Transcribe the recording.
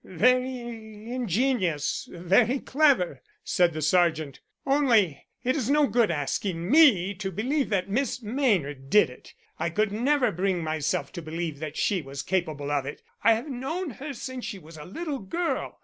"Very ingenious very clever," said the Sergeant. "Only it is no good asking me to believe that Miss Maynard did it; I could never bring myself to believe that she was capable of it. I have known her since she was a little girl.